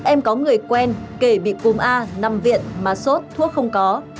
em có người quen kể bị cúm a nằm viện mà sốt thuốc không có